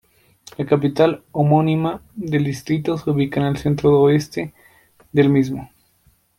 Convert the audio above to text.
La capital homónima del distrito se ubica en el centro-oeste del mismo.